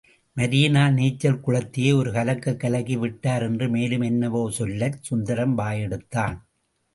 Marina நீச்சல் குளத்தையே ஒரு கலக்குக் கலக்கி விட்டார் என்று மேலும் என்னவோ சொல்லச் சுந்தரம் வாயெடுத்தான்.